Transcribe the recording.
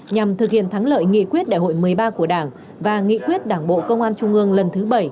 nhằm thực hiện thắng lợi nghị quyết đại hội một mươi ba của đảng và nghị quyết đảng bộ công an trung ương lần thứ bảy